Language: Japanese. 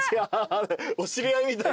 お知り合いみたい。